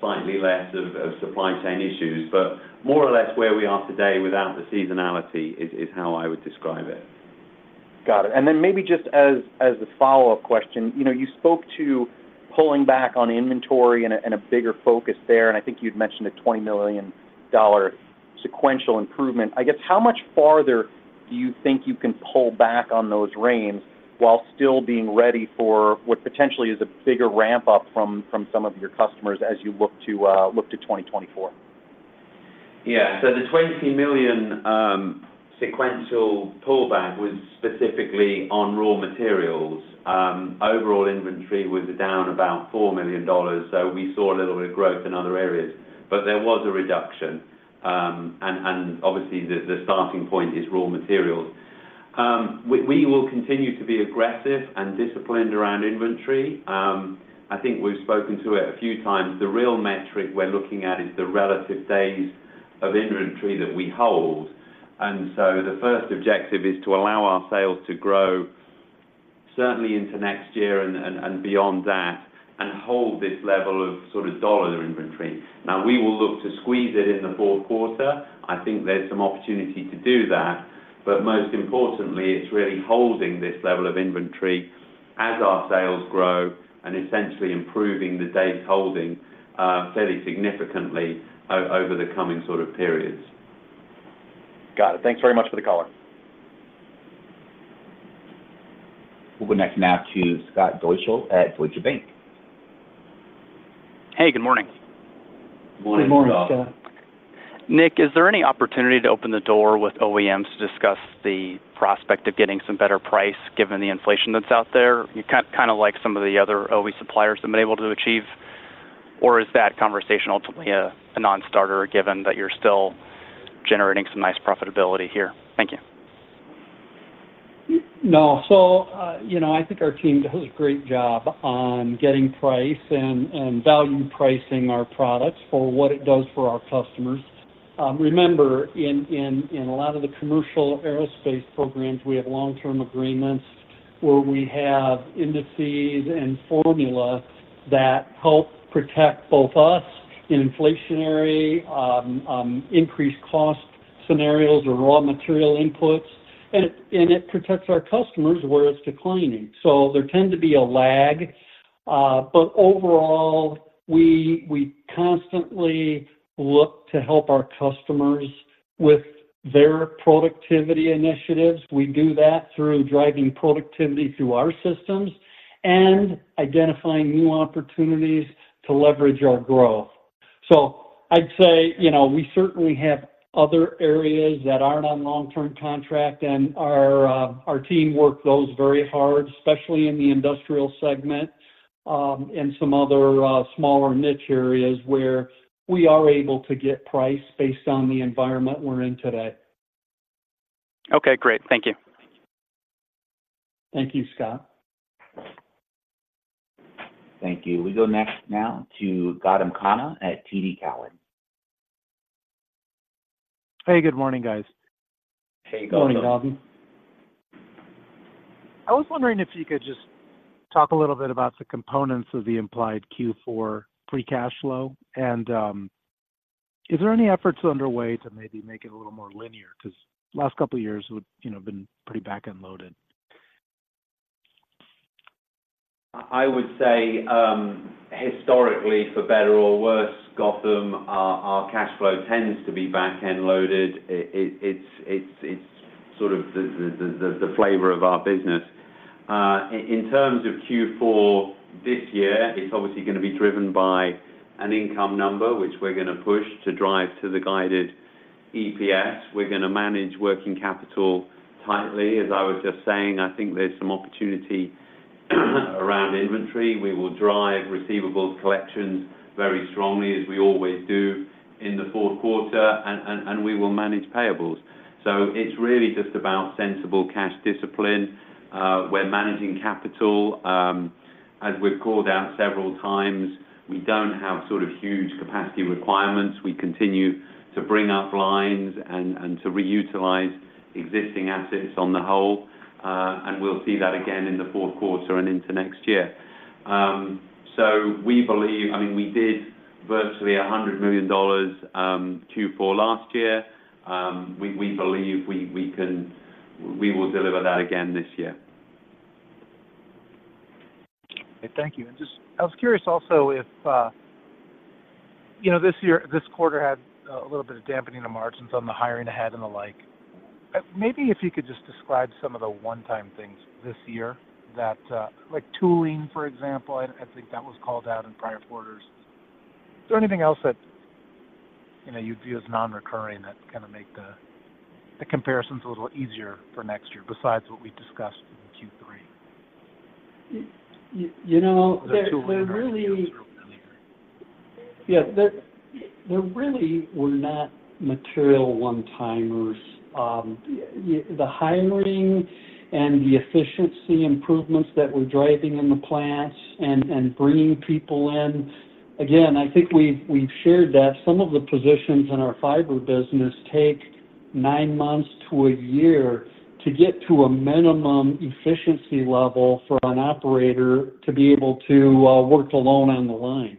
slightly less of supply chain issues. But more or less where we are today without the seasonality is how I would describe it. Got it. And then maybe just as a follow-up question, you know, you spoke to pulling back on inventory and a bigger focus there, and I think you'd mentioned a $20 million sequential improvement. I guess, how much farther do you think you can pull back on those reins while still being ready for what potentially is a bigger ramp up from some of your customers as you look to 2024? Yeah. So the $20 million sequential pullback was specifically on raw materials. Overall inventory was down about $4 million, so we saw a little bit of growth in other areas, but there was a reduction. And obviously the starting point is raw materials. We will continue to be aggressive and disciplined around inventory. I think we've spoken to it a few times. The real metric we're looking at is the relative days of inventory that we hold, and so the first objective is to allow our sales to grow certainly into next year and beyond that, and hold this level of sort of dollar inventory. Now, we will look to squeeze it in the fourth quarter. I think there's some opportunity to do that, but most importantly, it's really holding this level of inventory as our sales grow and essentially improving the days holding fairly significantly over the coming sort of periods. Got it. Thanks very much for the color. We'll go next now to Scott Deuschle at Deutsche Bank. Hey, good morning. Good morning, Scott. Good morning, Scott. Nick, is there any opportunity to open the door with OEMs to discuss the prospect of getting some better price, given the inflation that's out there? You kind of like some of the other OE suppliers have been able to achieve, or is that conversation ultimately a non-starter, given that you're still generating some nice profitability here? Thank you. No. So, you know, I think our team does a great job on getting price and value pricing our products for what it does for our customers. Remember, in a lot of the commercial aerospace programs, we have long-term agreements where we have indices and formula that help protect both us in inflationary, increased cost scenarios or raw material inputs, and it protects our customers where it's declining. So there tend to be a lag, but overall, we constantly look to help our customers with their productivity initiatives. We do that through driving productivity through our systems and identifying new opportunities to leverage our growth. So I'd say, you know, we certainly have other areas that aren't on long-term contract, and our team work those very hard, especially in the Industrial segment, and some other smaller niche areas where we are able to get price based on the environment we're in today. Okay, great. Thank you. Thank you, Scott. Thank you. We go next now to Gautam Khanna at TD Cowen. Hey, good morning, guys. Hey, Gautam. Good morning, Gautam. I was wondering if you could just talk a little bit about the components of the implied Q4 free cash flow, and is there any efforts underway to maybe make it a little more linear? Because last couple of years would, you know, been pretty back-end loaded. I would say, historically, for better or worse, Gautam, our cash flow tends to be back-end loaded. It, it's sort of the flavor of our business. In terms of Q4 this year, it's obviously gonna be driven by an income number, which we're gonna push to drive to the guided EPS. We're gonna manage working capital tightly. As I was just saying, I think there's some opportunity around inventory. We will drive receivables collections very strongly, as we always do in the fourth quarter, and we will manage payables. So it's really just about sensible cash discipline. We're managing capital. As we've called out several times, we don't have sort of huge capacity requirements. We continue to bring up lines and to reutilize existing assets on the whole, and we'll see that again in the fourth quarter and into next year. So we believe—I mean, we did virtually $100 million Q4 last year. We believe we can, we will deliver that again this year. Thank you. And just, I was curious also if, you know, this year—this quarter had a little bit of dampening the margins on the hiring ahead and the like. Maybe if you could just describe some of the one-time things this year that, like tooling, for example, I think that was called out in prior quarters. Is there anything else that, you know, you'd view as non-recurring that kind of make the comparisons a little easier for next year besides what we discussed in Q3? You know, there really- $200 million. Yeah, there, there really were not material one-timers. The hiring and the efficiency improvements that we're driving in the plants and, and bringing people in, again, I think we've, we've shared that some of the positions in our fiber business take nine months to a year to get to a minimum efficiency level for an operator to be able to work alone on the line.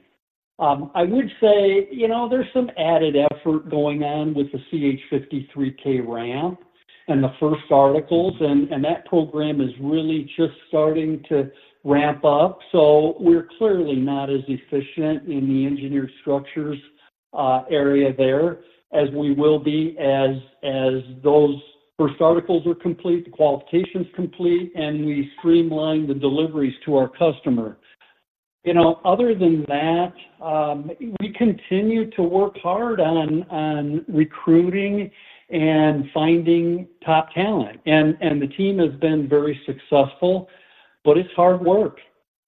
I would say, you know, there's some added effort going on with the CH-53K ramp and the first articles, and, and that program is really just starting to ramp up, so we're clearly not as efficient in the engineered structures area there, as we will be as, as those first articles are complete, the qualification's complete, and we streamline the deliveries to our customer. You know, other than that, we continue to work hard on recruiting and finding top talent. And the team has been very successful, but it's hard work,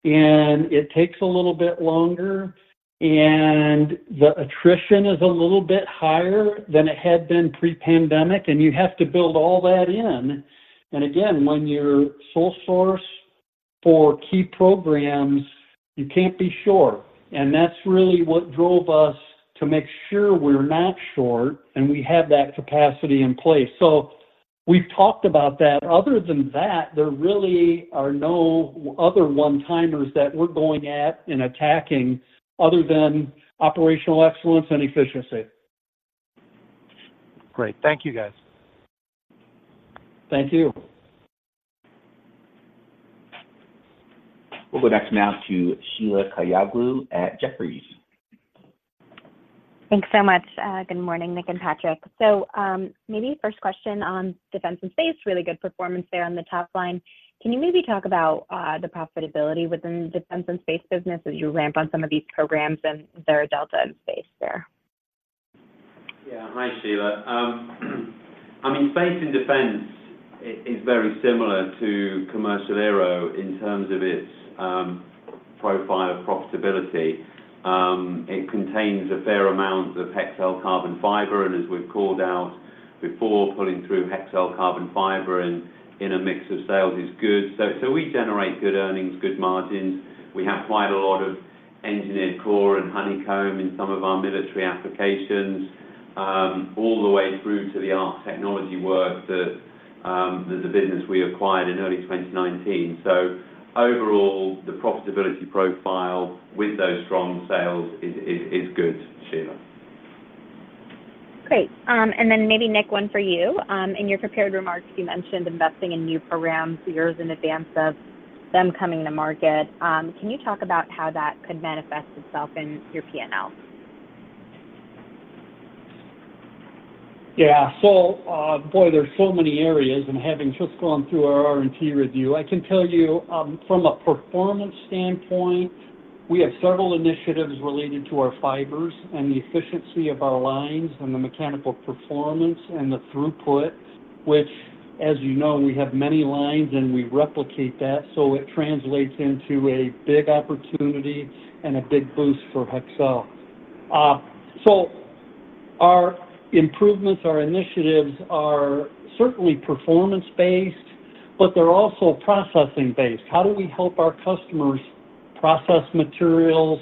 and it takes a little bit longer, and the attrition is a little bit higher than it had been pre-pandemic, and you have to build all that in. And again, when you're sole source for key programs, you can't be sure, and that's really what drove us to make sure we're not short, and we have that capacity in place. So we've talked about that. Other than that, there really are no other one-timers that we're going at and attacking, other than operational excellence and efficiency. Great. Thank you, guys. Thank you. We'll go next now to Sheila Kahyaoglu at Jefferies. Thanks so much. Good morning, Nick and Patrick. So, maybe first question on defense and space, really good performance there on the top line. Can you maybe talk about the profitability within the defense and space business as you ramp on some of these programs, and is there a delta in space there? Yeah. Hi, Sheila. I mean, Space and Defense is very similar to commercial aero in terms of its profile of profitability. It contains a fair amount of Hexcel carbon fiber, and as we've called out before, pulling through Hexcel carbon fiber and in a mix of sales is good. So we generate good earnings, good margins. We have quite a lot of Engineered Core and Honeycomb in some of our military applications, all the way through to the ARC technology work that the business we acquired in early 2019. So overall, the profitability profile with those strong sales is good, Sheila. Great. Then maybe Nick, one for you. In your prepared remarks, you mentioned investing in new programs years in advance of them coming to market. Can you talk about how that could manifest itself in your P&L? Yeah. So, boy, there's so many areas, and having just gone through our R&T review, I can tell you, from a performance standpoint, we have several initiatives related to our fibers and the efficiency of our lines and the mechanical performance and the throughput, which, as you know, we have many lines, and we replicate that. So it translates into a big opportunity and a big boost for Hexcel. So our improvements, our initiatives are certainly performance-based, but they're also processing-based. How do we help our customers process materials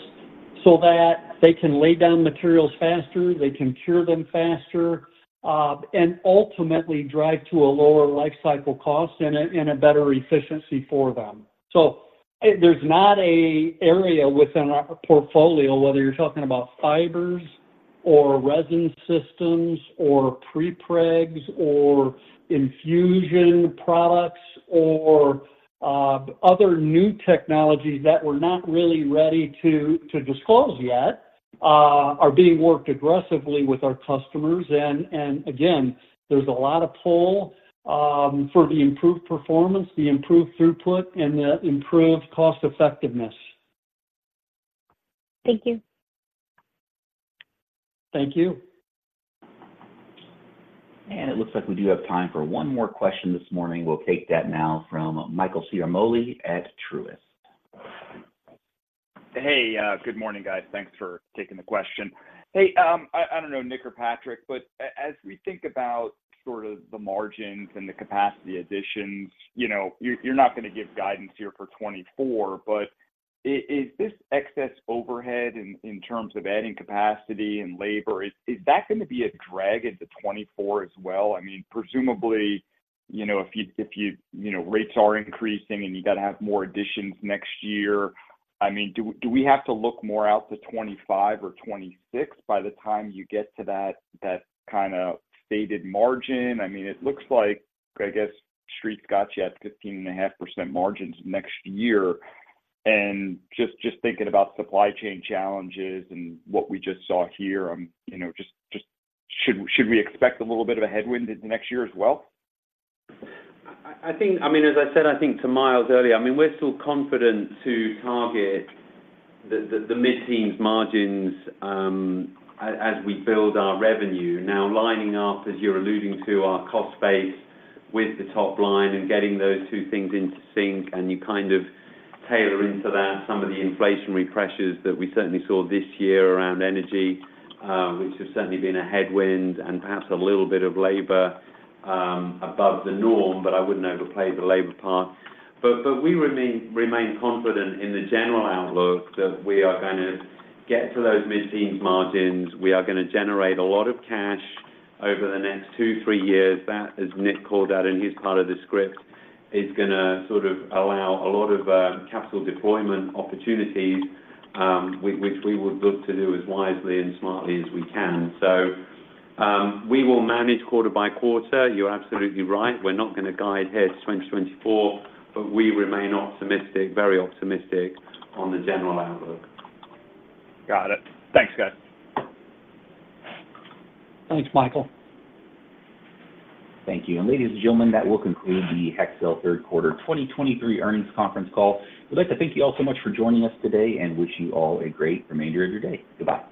so that they can lay down materials faster, they can cure them faster, and ultimately drive to a lower life cycle cost and a better efficiency for them? So, there's not an area within our portfolio, whether you're talking about fibers or resin systems or prepregs or infusion products or other new technologies that we're not really ready to disclose yet, are being worked aggressively with our customers. And again, there's a lot of pull for the improved performance, the improved throughput, and the improved cost effectiveness. Thank you. Thank you. It looks like we do have time for one more question this morning. We'll take that now from Michael Ciarmoli at Truist. Hey, good morning, guys. Thanks for taking the question. Hey, I don't know Nick or Patrick, but as we think about sort of the margins and the capacity additions, you know, you're not gonna give guidance here for 2024, but is this excess overhead in terms of adding capacity and labor, is that going to be a drag into 2024 as well? I mean, presumably, you know, if you, if you know, rates are increasing and you got to have more additions next year, I mean, do we have to look more out to 2025 or 2026 by the time you get to that kind of stated margin? I mean, it looks like, I guess, Street's got you at 15.5% margins next year. Just thinking about supply chain challenges and what we just saw here, you know, should we expect a little bit of a headwind in the next year as well? I think, I mean, as I said, I think to Myles earlier, I mean, we're still confident to target the mid-teens margins as we build our revenue. Now, lining up, as you're alluding to, our cost base with the top line and getting those two things into sync, and you kind of tailor into that some of the inflationary pressures that we certainly saw this year around energy, which has certainly been a headwind and perhaps a little bit of labor above the norm, but I wouldn't overplay the labor part. But we remain confident in the general outlook that we are gonna get to those mid-teens margins. We are gonna generate a lot of cash over the next two to three years. That, as Nick called out in his part of the script, is gonna sort of allow a lot of capital deployment opportunities, which we would look to do as wisely and smartly as we can. So, we will manage quarter by quarter. You're absolutely right. We're not gonna guide ahead to 2024, but we remain optimistic, very optimistic on the general outlook. Got it. Thanks, guys. Thanks, Michael. Thank you. Ladies and gentlemen, that will conclude the Hexcel Third Quarter 2023 Earnings Conference Call. We'd like to thank you all so much for joining us today and wish you all a great remainder of your day. Goodbye.